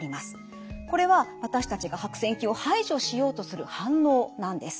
これは私たちが白癬菌を排除しようとする反応なんです。